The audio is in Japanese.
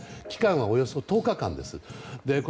期間はおよそ１０日間です。